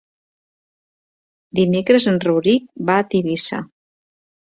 Dimecres en Rauric va a Tivissa.